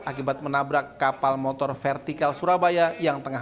akibat menabrak kapal motor vertikal surabaya